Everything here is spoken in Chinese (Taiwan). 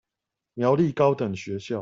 苗栗高等學校